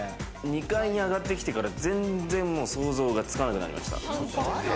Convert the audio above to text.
２階に上がってから、全然想像がつかなくなりました。